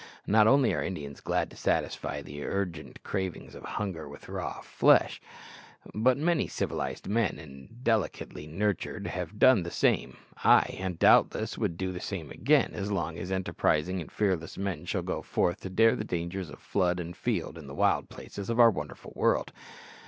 Not only are Indians glad to satisfy the urgent cravings of hunger with raw flesh, but many civilized men and delicately nurtured have done the same ay, and doubtless will do the same again, as long as enterprising and fearless men shall go forth to dare the dangers of flood and field in the wild places of our wonderful world!